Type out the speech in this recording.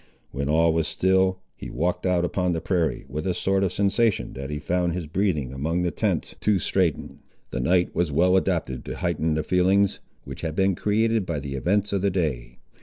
When all was still, he walked out upon the prairie, with a sort of sensation that he found his breathing among the tents too straitened. The night was well adapted to heighten the feelings, which had been created by the events of the day.